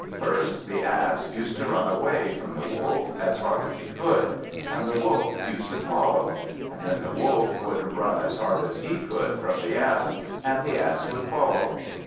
First the Ass used to run away from the Wolf as hard as he could, and the Wolf used to follow; and then the Wolf would run as hard as he could from the Ass, and the Ass would follow.